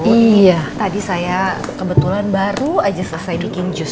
iya tadi saya kebetulan baru aja selesai bikin jus